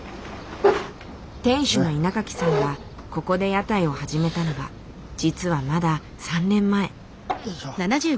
店主の稲垣さんがここで屋台を始めたのは実はまだ３年前。